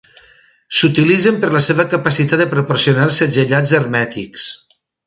S'utilitzen per la seva capacitat de proporcionar segellats hermètics.